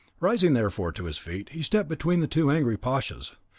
Rising therefore to his feet, he stepped between the two angry pashas.